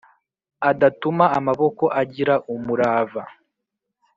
adatuma amaboko agira umurava